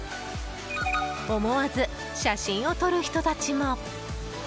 思わず写真を撮る人たちも。